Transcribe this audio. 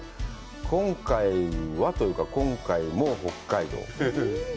今回はというか、今回も北海道。